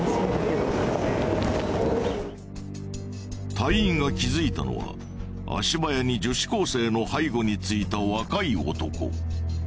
隊員が気づいたのは足早に女子高生の背後についた若い男。